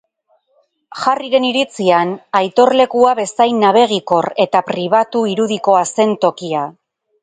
Harryren iritzian, aitorlekua bezain abegikor eta pribatu irudikoa zen tokia.